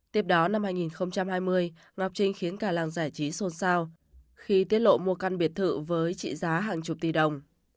tiếp đó năm hai nghìn hai mươi ngọc trinh khiến cả làng giải trí xôn xao khi tiết lộ mua căn biệt thự với trị giá hàng chục tỷ đồng